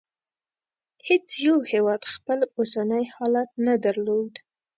هېڅ یو هېواد خپل اوسنی حالت نه درلود.